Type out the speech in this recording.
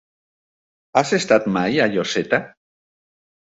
Has estat mai a Lloseta?